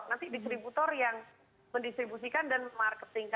nanti distributor yang mendistribusikan dan marketing